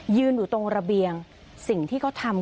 ยืนอยู่ตรงระเบียงสิ่งที่เขาทำ